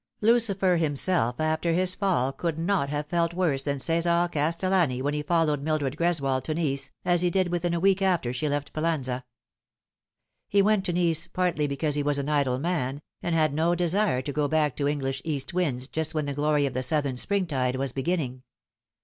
LUCIFER himself after his fall could not have felt worse than C4sar Castellani when he followed Mildred Greswold to IN ice. as he did within a week after she left Pallanza. He went to Nice partly because he was an idle man, and had no desire to go back to English east winds just when the glory of Pamela changes her Mind. 287 the southern springtide was beginning.